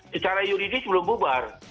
secara yuridis belum bubar